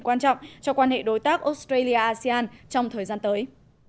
quan trọng cho quan hệ đối tác australia asean trong thời gian tới